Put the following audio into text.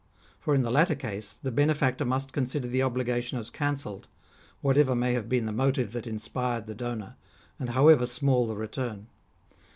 For in the latter case the benefactor must consider the obligation as cancelled, whatever may have been the motive that inspired the donor, and however small the return.